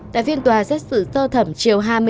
tại phiên tòa xét xử sơ thẩm chiều hai mươi ba